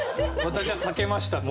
「私は避けました」と。